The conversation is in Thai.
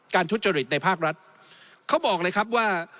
ทุจริตในภาครัฐเขาบอกเลยครับว่า